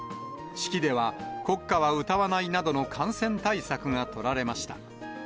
式では、国家は歌わないなどの感染対策が取られました。